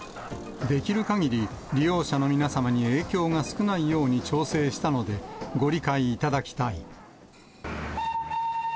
できるかぎり、利用者の皆様に影響が少ないように調整したので、ご理解いただきたい。